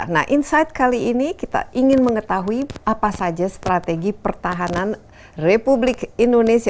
nah insight kali ini kita ingin mengetahui apa saja strategi pertahanan republik indonesia